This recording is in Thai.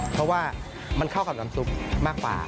เพราะว่ามันเข้ากับน้ำซุปมากกว่า